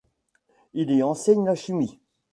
Il y enseigne la chimie.